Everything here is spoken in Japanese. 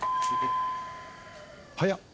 早っ。